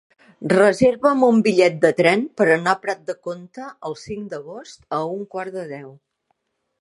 Reserva'm un bitllet de tren per anar a Prat de Comte el cinc d'agost a un quart de deu.